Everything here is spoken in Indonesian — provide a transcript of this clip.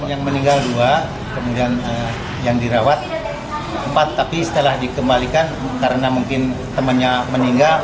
yang meninggal dua kemudian yang dirawat empat tapi setelah dikembalikan karena mungkin temannya meninggal